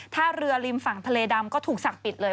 ถ้าเรือริมฝั่งทะเลดำก็ถูกสั่งปิดเลย